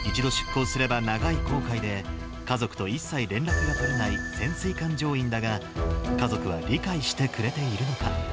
一度出港すれば長い航海で、家族と一切連絡が取れない潜水艦乗員だが、家族は理解してくれているのか。